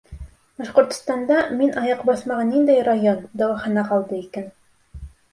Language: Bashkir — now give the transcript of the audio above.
Башҡортостанда мин аяҡ баҫмаған ниндәй район, дауахана ҡалды икән?